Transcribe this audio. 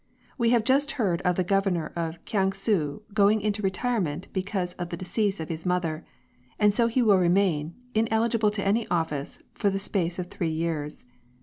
We have just heard of the Governor of Kiangsu going into retirement because of the decease of his mother ; and so he will remain, ineligible to any office, for the space of three years.